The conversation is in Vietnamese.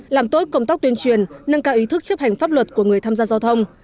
làm tốt công tác tuyên truyền nâng cao ý thức chấp hành pháp luật của người tham gia giao thông